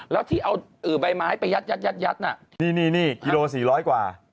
แล้วที่เอาอื่มใบไม้ไปยัดนี่กิโลสี่ร้อยกว่า